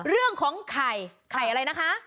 เรื่องของไข่ไข่อะไรนะคะ